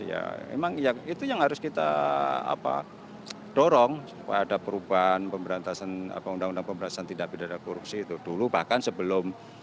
ya emang ya itu yang harus kita apa dorong supaya ada perubahan pemberantasan apa undang undang pemberantasan tindak pidana korupsi itu dulu bahkan sebelum